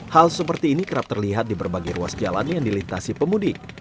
hal seperti ini kerap terlihat di berbagai ruas jalan yang dilintasi pemudik